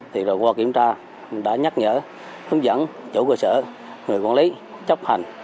thì đồng hồ kiểm tra đã nhắc nhở hướng dẫn chỗ cơ sở người quản lý chấp hành